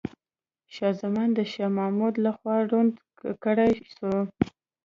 شاه زمان د شاه محمود لخوا ړوند کړاي سو.